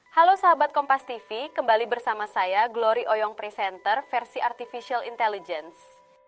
halo sahabat kompas tv kembali bersama saya glory oyong presenter versi artificial intelligence